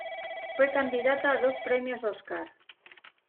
Fue candidata a dos premios Óscar.